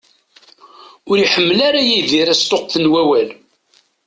Ur iḥemmel ara Yidir asṭuqqet n wawal.